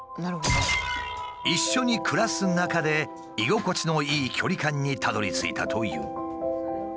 一緒に暮らす中で居心地のいい距離感にたどりついたという。